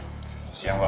selamat siang pak